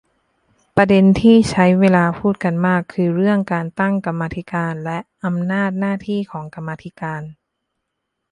ประเด็นที่ใช้เวลาพูดกันมาก คือเรื่องการตั้งกรรมมาธิการ และ อำนาจหน้าที่ของกรรมาธิการ